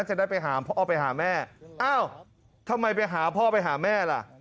จะได้ไปหาพ่อไปหาแม่อ้าวทำไมไปหาพ่อไปหาแม่ล่ะ